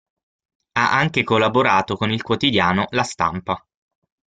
Ha anche collaborato con il quotidiano "La Stampa".